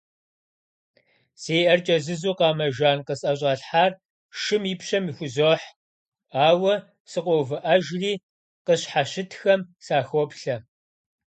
Си Ӏэр кӀэзызу, къамэ жан къысӀэщӀалъхьар шым и пщэм хузохь, ауэ сыкъоувыӀэжри, къысщхьэщытхэм сахоплъэ.